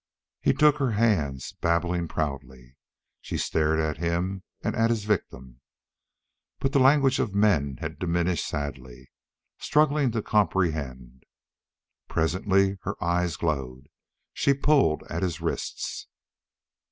He took her hands, babbling proudly. She stared at him and at his victim but the language of men had diminished sadly struggling to comprehend. Presently her eyes glowed. She pulled at his wrists.